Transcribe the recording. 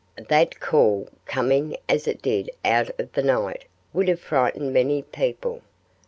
That call, coming as it did out of the night, would have frightened many people.